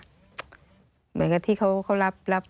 เหมือนกับที่เขารับ